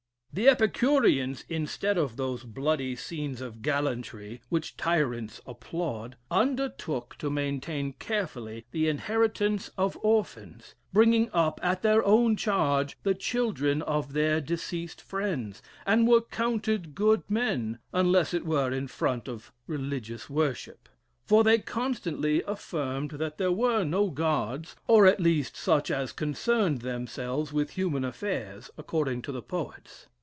"The Epicureans, instead of those bloody scenes of gallantry (which tyrants applaud,) undertook to manage carefully the inheritance of orphans; bringing up, at their own charge, the children of their deceased friends, and were counted good men, unless it were in front of religious worship; for they constantly affirmed that there were no Gods, or, at least, such as concerned themselves with human affairs, according to the poets.